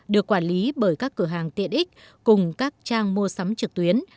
được quản lý bởi các cửa hàng tiện ích cùng các trang mua sắm trực tuyến